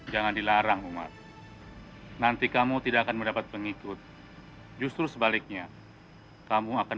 jangan dilarang umat nanti kamu tidak akan mendapat pengikut justru sebaliknya kamu akan